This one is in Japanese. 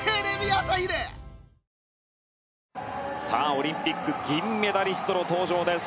オリンピック銀メダリストの登場です。